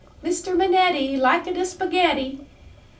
"Mister Minetti! Lika da spagetti!"